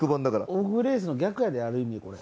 大食いレースの逆やである意味これ。